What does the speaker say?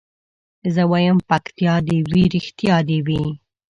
زه وايم پکتيا دي وي رښتيا دي وي